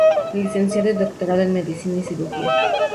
Licenciado y doctorado en medicina y cirugía.